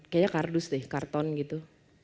kayaknya kardus deh karton gitu